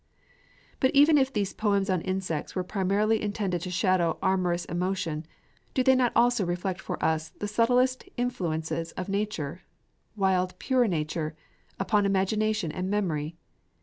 But even if these poems on insects were primarily intended to shadow amorous emotion, do they not reflect also for us the subtlest influences of nature, wild pure nature, upon imagination and memory?